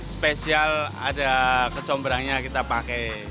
spesial ada kecombrangnya kita pakai